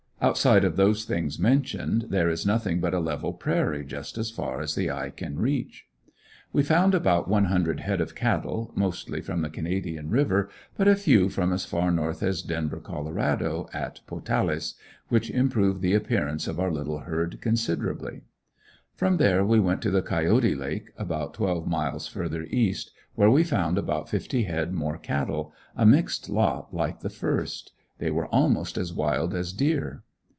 Outside of those things mentioned there is nothing but a level prairie just as far as the eye can reach. We found about one hundred head of cattle, mostly from the Canadian River, but a few from as far north as Denver Col., at "Potales," which improved the appearance of our little herd considerably. From there we went to the Coyote lake, twelve miles further east, where we found about fifty head more cattle, a mixed lot like the first. They were almost as wild as deer.